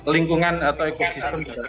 lingkungan atau ekosistem